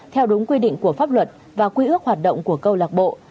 theo đúng quy định của pháp luật và quy ước hoạt động của câu lạc bộ